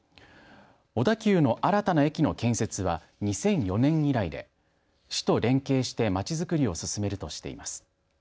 小田急の新たな駅の建設は２００４年以来で市と連携して、まちづくりを進めるとしています。